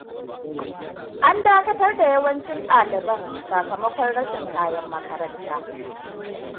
An dakatar da yawancin ɗaliban sakamakon rashin kayan makaranta.